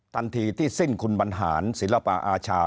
ทันทีที่สิ้นคุณบรรหารศิลปะอาชา